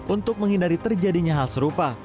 untuk menghindari terjadinya hal serupa